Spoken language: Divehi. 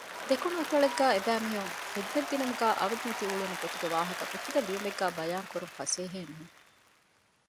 ދެކުނުގެ އަތޮޅެއްގައި އެބައިމީހުން ޚިދުމަތްދިނުމުގައި އަވަދިނެތިއުޅުނު ގޮތުގެ ވާހަކަ މިފަދަ ލިޔުމެއްގައި ބަޔާންކުރުން ފަސޭހައެއް ނޫން